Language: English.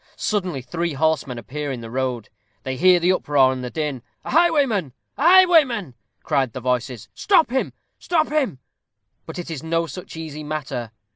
Suddenly three horsemen appear in the road they hear the uproar and the din. "A highwayman! a highwayman!" cry the voices: "stop him, stop him!" But it is no such easy matter.